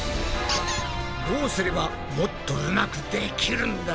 どうすればもっとうまくできるんだ？